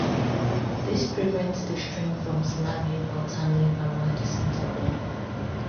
This prevents the string from snagging or tangling around the center ball.